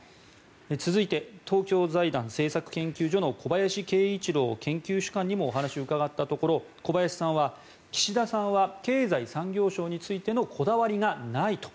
続いて、東京財団政策研究所の小林慶一郎研究主幹にもお話を伺ったところ小林さんは岸田さんは経済産業省についてのこだわりがないと。